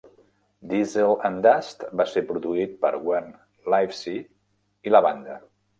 "Diesel and Dust" va ser produït per Warne Livesey i la banda.